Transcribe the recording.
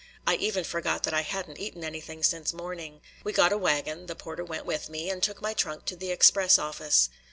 I even forgot that I hadn't eaten anything since morning. We got a wagon the porter went with me and took my trunk to the express office.